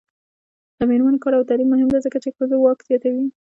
د میرمنو کار او تعلیم مهم دی ځکه چې ښځو واک زیاتوي.